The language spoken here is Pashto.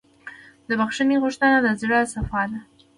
د بښنې غوښتنه د زړه صفا ده.